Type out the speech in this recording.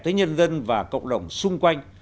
tới nhân dân và cộng đồng xung quanh